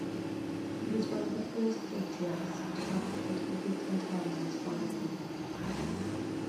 He was one of the first Patriots to advocate complete independence from Britain.